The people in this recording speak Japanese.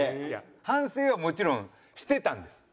反省はもちろんしてたんです。